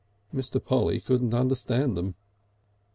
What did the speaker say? Mr. Polly could not understand them.